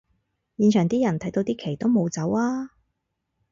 現場啲人睇到啲旗都冇走吖